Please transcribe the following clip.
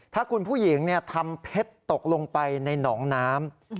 ถ้าคุณผู้หญิงทำเพชรตกลงไปในหนองน้ำ